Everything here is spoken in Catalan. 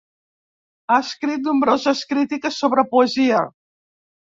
Ha escrit nombroses crítiques sobre poesia.